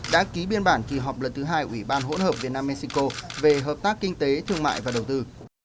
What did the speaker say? đã ký biên bản kỳ họp lần thứ hai ủy ban hỗn hợp việt nam mexico về hợp tác kinh tế thương mại và đầu tư